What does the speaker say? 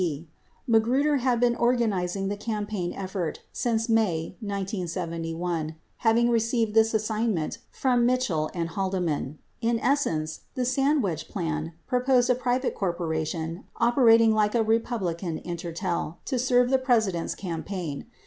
3 Magruder had been organizing the campaign effort since May 1971, having received this assignment from Mitchell and Haldeman. 4 In essence, the Sandwedge plan proposed a private cor poration operating like a Republican "Intertel" 5 to serve the Presi dent's campaign.